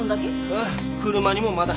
ああ車にもまだ。